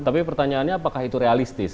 tapi pertanyaannya apakah itu realistis